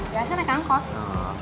biasanya nekang kok